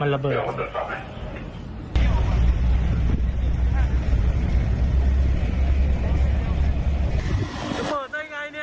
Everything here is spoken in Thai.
อันนี้ที่ร้านเจริมพิธีมันมีวันขึ้นมาเยอะเลยนะ